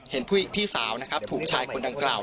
เห็นพี่สาวนะครับถูกชายคนดังกล่าว